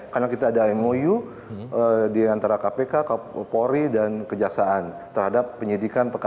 karena kita ada mou di antara kpk kepori dan kejaksaan terhadap penyidikan berlaku